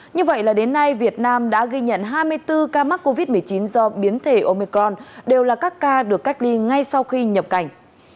như vậy là đến nay việt nam đã ghi nhận hai mươi bốn ca mắc covid một mươi chín do biến thể omecron đều là các ca được cách ly ngay sau khi nhập cảnh